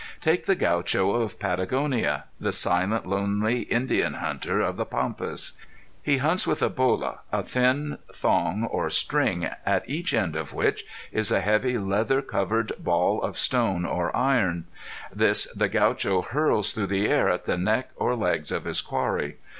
Take the Gaucho of Patagonia the silent lonely Indian hunter of the Pampas. He hunts with a bola, a thin thong or string at each end of which is a heavy leather covered ball of stone or iron. This the Gaucho hurls through the air at the neck or legs of his quarry.